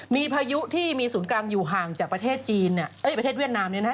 มีพายุที่มีศูนย์กลางอยู่ห่างจากประเทศเวียดนามเนี่ยนะฮะ